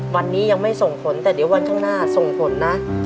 วันนี้ยังไม่ส่งผลแต่เดี๋ยววันข้างหน้าส่งผลนะ